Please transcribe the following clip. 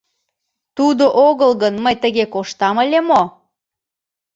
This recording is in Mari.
Тудо огыл гын, мый тыге коштам ыле мо?